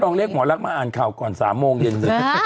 ก็ต้องเรียกหมอลักษณ์มาอ่านข่าวก่อน๓โมงเย็นหนึ่ง